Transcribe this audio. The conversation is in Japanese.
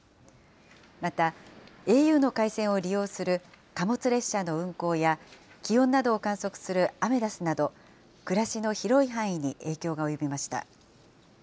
またａｕの回線を利用する貨物列車の運行や、気温などを観測するアメダスなど、暮らしの広い範囲に影響が及びました。